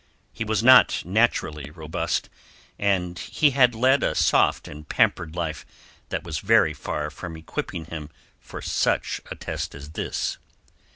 He was not naturally robust, and he had led a soft and pampered life that was very far from equipping him for such a test as this.